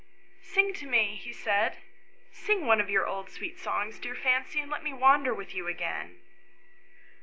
" Sing to me," he said ;" sing one of your old sweet songs, dear Fancy, and let me wander with you again."